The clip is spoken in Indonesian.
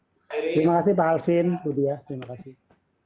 terima kasih pak alvin budi ya terima kasih